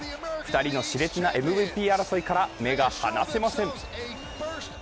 ２人のし烈なＭＶＰ争いから目が離せません。